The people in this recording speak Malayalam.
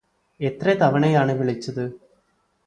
എത്രെ തവണയാണ് വിളിച്ചത്